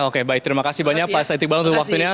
oke baik terima kasih banyak pak said iqbal untuk waktunya